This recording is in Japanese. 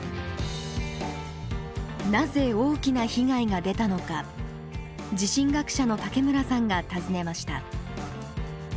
なぜ大きな被害が出たのか地震学者の武村さんが訪ねました。